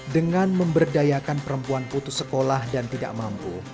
dengan memberdayakan perempuan putus sekolah dan tidak mampu